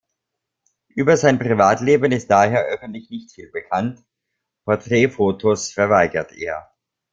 Über sein Privatleben ist daher öffentlich nicht viel bekannt, Porträtfotos verweigert er.